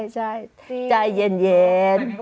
ใช่ใจเย็น